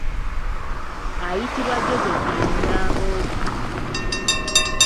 Ayitibwa Josephine Nnambooze.